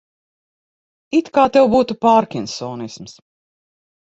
It kā tev būtu pārkinsonisms.